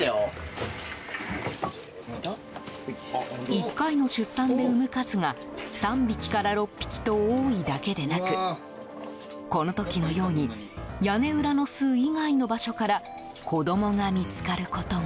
１回の出産で産む数が３匹から６匹と多いだけでなくこの時のように屋根裏の巣以外の場所から子供が見つかることも。